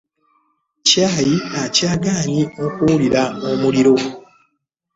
Caayi akyagaanyi okuwulira omuliro.